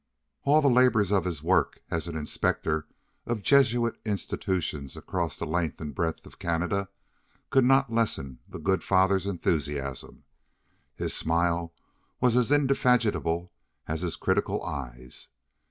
All the labors of his work as an inspector of Jesuit institutions across the length and breadth of Canada could not lessen the good father's enthusiasm; his smile was as indefatigable as his critical eyes.